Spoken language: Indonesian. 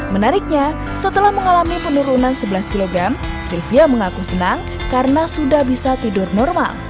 menariknya setelah mengalami penurunan sebelas kg sylvia mengaku senang karena sudah bisa tidur normal